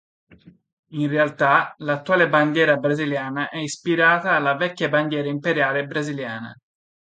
In realtà, l'attuale bandiera brasiliana è ispirata alla vecchia Bandiera Imperiale Brasiliana.